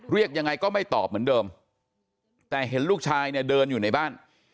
เรียกยังไงก็ไม่ตอบเหมือนเดิมแต่เห็นลูกชายเนี่ยเดินอยู่ในบ้าน